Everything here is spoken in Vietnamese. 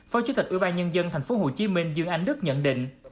phó chủ tịch ủy ban nhân dân tp hcm dương anh đức nhận định